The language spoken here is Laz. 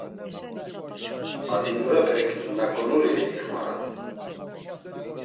Atinurepek 'nakonuri' ixmaran.